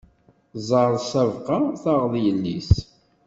Ẓeṛ ssabqa, taɣeḍ illi-s!